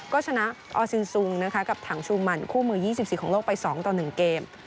ก็ชนะออซินซุงนะคะกับถังชูมันคู่มือ๒๔ของโลกไป๒ต่อ๑เกม